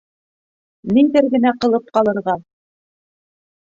-Ниҙәр генә ҡылып ҡалырға?..